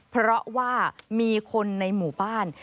เพราะว่ามีคนในหมู่บ้าน